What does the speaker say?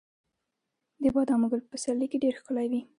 د بادامو ګل په پسرلي کې ډیر ښکلی وي.